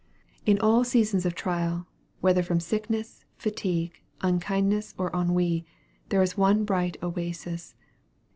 In all seasons of trial, whether from sickness, fatigue, unkindness, or ennui, there is one bright oasis.